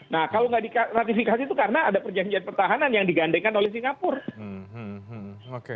nah kalau nggak diratifikasi itu karena ada perjanjian pertahanan yang digandengkan oleh singapura